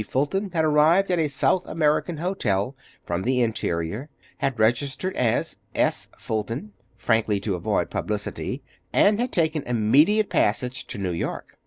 Fulton had arrived at a South American hotel, from the interior, had registered as S. Fulton, frankly to avoid publicity, and had taken immediate passage to New York.